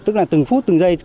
tức là từng phút từng giây